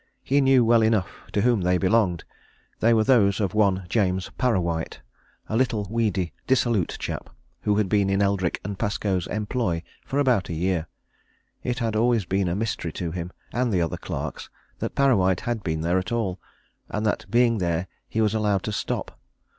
He knew well enough to whom they belonged they were those of one James Parrawhite, a little, weedy, dissolute chap who had been in Eldrick & Pascoe's employ for about a year. It had always been a mystery to him and the other clerks that Parrawhite had been there at all, and that being there he was allowed to stop.